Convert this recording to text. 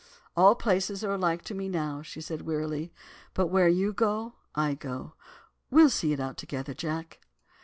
"'All places are alike to me now,' said she wearily; 'but where you go I go. We'll see it out together, Jack.